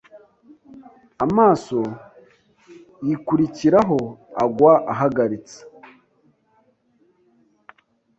Amaso yikurikiraho agwa ahagaritse